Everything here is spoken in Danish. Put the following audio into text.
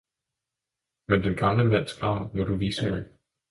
men den gamle mands grav må du vise mig!